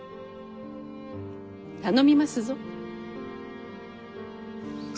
頼みますぞ。